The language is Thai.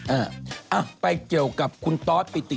อ่ะไปเกี่ยวกับคุณตอสปิติ